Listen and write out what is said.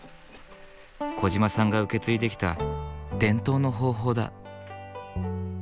小嶋さんが受け継いできた伝統の方法だ。